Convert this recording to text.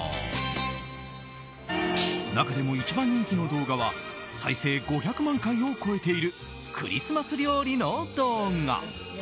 中でも一番人気の動画は再生５００万回を超えているクリスマス料理の動画。